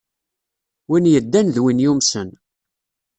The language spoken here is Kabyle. Win yeddan d win yumsen.